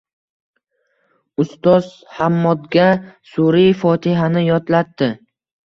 Ustoz Hammodga surai Fotihani yodlatdi